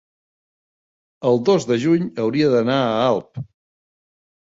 el dos de juny hauria d'anar a Alp.